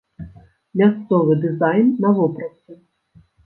Мясцовы дызайн на вопратцы.